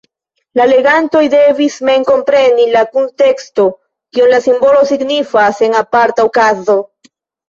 La legantoj devis mem kompreni de kunteksto, kion la simbolo signifas en aparta okazo.